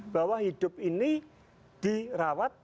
bahwa hidup ini dirawat